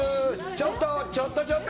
ちょっと、ちょっとちょっと。